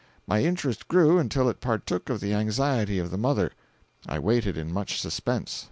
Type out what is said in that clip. My interest grew, until it partook of the anxiety of the mother. I waited in much suspense.